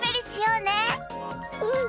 うん！